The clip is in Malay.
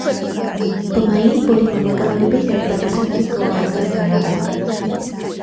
Pemain boleh memegang lebih daripada satu kewarganegaraan